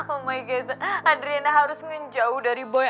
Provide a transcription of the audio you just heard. oh my god adriana harus menjauh dari boy